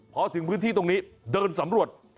พอถึงพื้นที่ตรงนี้เดินสำรวจ